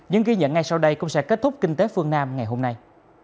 những ghi nhận ngay sau đây cũng sẽ kết thúc kinh tế phương nam ngày hôm nay